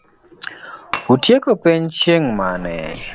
Utieko penj chieng' mane?